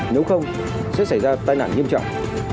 nếu không sẽ xảy ra tai nạn nghiêm trọng